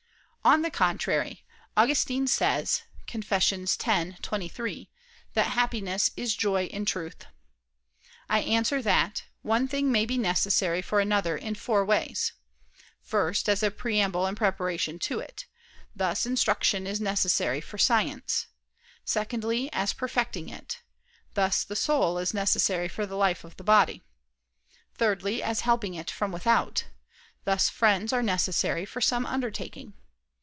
On the contrary, Augustine says (Confess. x, 23) that happiness is "joy in truth." I answer that, One thing may be necessary for another in four ways. First, as a preamble and preparation to it: thus instruction is necessary for science. Secondly, as perfecting it: thus the soul is necessary for the life of the body. Thirdly, as helping it from without: thus friends are necessary for some undertaking.